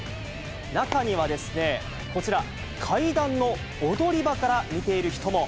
中には、こちら、階段の踊り場から見ている人も。